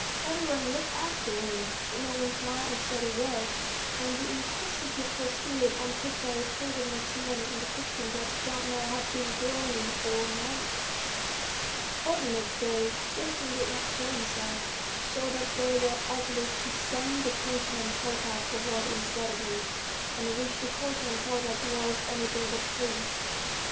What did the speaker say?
Every one looked after him, but no one smiled or said a word, and the inquisitive postilion Antipka reported next morning in the kitchen that the dumb man had been groaning all night. All the next day Gerasim did not show himself, so that they were obliged to send the coachman Potap for water instead of him, at which the coachman Potap was anything but pleased.